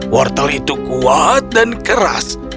wortel itu kuat dan keras